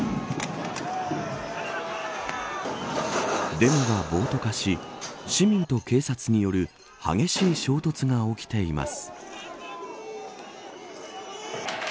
デモが暴徒化し市民と警察による激しい衝突が起きています。